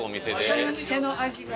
その店の味が。